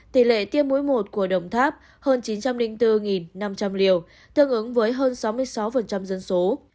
tỷ lệ tiêm muối một của đồng tháp hơn chín trăm linh bốn năm trăm linh liều tương ứng với hơn sáu mươi sáu dân số